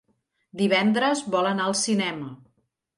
Divendres vol anar al cinema.